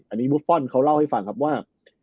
อันนี้บุฟฟอลเขาเล่าให้ฟังครับว่า